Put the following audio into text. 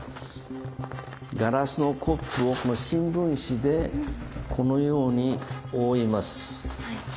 ガラスのコップをこの新聞紙でこのように覆います。